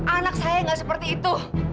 anak saya nggak seperti itu